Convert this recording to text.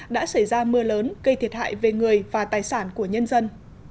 đã xảy ra mưa lớn gây thiệt hại về người và tài sản của nhân dân